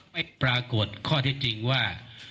ไม่ปรากฏข้อเท็จจริงว่า